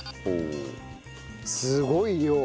すごい量。